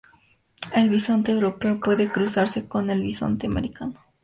El bisonte europeo puede cruzarse con el bisonte americano.